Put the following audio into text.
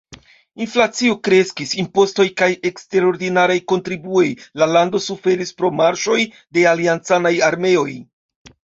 Inflacio kreskis, impostoj kaj eksterordinaraj kontribuoj, la lando suferis pro marŝoj de aliancanaj armeoj.